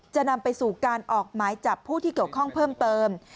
จะนำไปสู่การออกหมายจับผู้ที่เกี่ยวข้องเพิ่มเติม